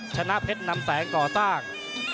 ชนะเพชรนำแสงก่อสร้าง